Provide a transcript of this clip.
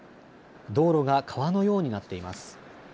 道路が川のようになっています。